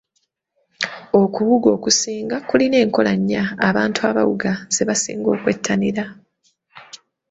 Okuwuga okusinga kulina enkola nnya abantu abawuga ze basinga okwettanira.